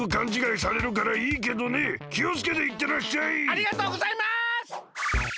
ありがとうございます！